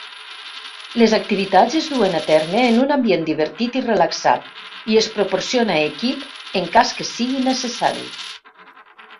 Les activitats es duen a terme en un ambient divertit i relaxat, i es proporciona equip en cas que sigui necessari.